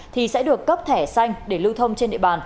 thì sẽ được cấp thẻ xanh để lưu thông trên địa bàn